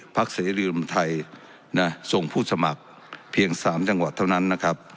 เสรีรวมไทยนะส่งผู้สมัครเพียง๓จังหวัดเท่านั้นนะครับ